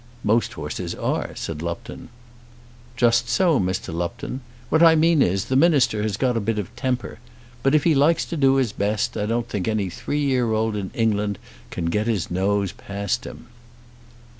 "Most horses are," said Lupton. "Just so, Mr. Lupton. What I mean is, the Minister has got a bit of temper. But if he likes to do his best I don't think any three year old in England can get his nose past him."